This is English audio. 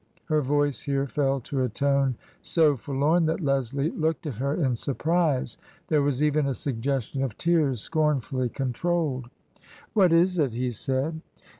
Her voice here fell to a tone so forlorn that Leslie looked at her in surprise. There was even a suggestion of tears scornfully controlled. " What is it ?" he said.